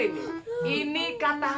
elah elah elah